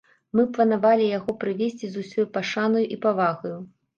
Мы планавалі яго прывезці з усёй пашанаю і павагаю.